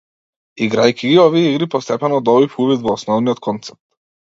Играјќи ги овие игри постепено добив увид во основниот концепт.